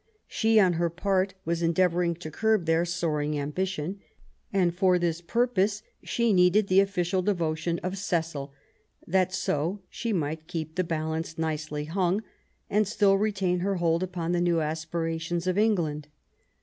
She, on her part, was endeavouring to curb their soaring ambition, and for this purpose she needed the official devotion of Cecil, that so she THE NEW ENGLAND. 253 might keep the balance nicely hung, and still retain her hold upon the new aspirations of England.